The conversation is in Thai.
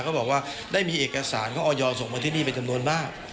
ก็บอกว่าได้มีเอกสารของออยส่งมาที่นี่เป็นจำนวนมาก